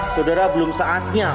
saudara belum saatnya